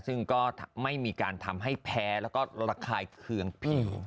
ซึ่งก็ไม่มีการทำให้แพ้แล้วก็ระคายเคืองผิว